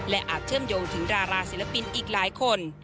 และอาจเชื่อมโยงถึงดาราศิลปินอีกหลายคน